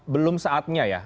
belum saatnya ya